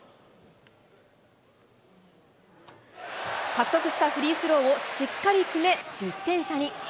獲得したフリースローをしっかり決め、１０点差に。